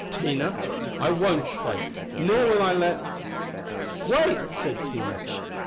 Tina. I won't stay: nor will I let " "Wait!" said Tina.